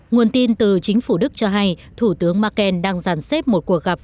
nguồn tin từ chính phủ đức cho hay thủ tướng merkel đang giàn xếp một cuộc gặp